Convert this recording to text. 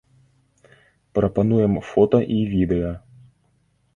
Прапануем фота і відэа.